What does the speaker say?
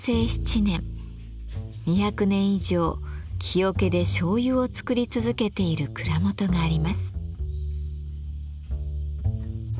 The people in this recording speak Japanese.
２００年以上木桶で醤油を造り続けている蔵元があります。